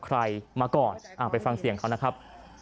ใครมาก่อนไปฟังเสียงเขานะครับ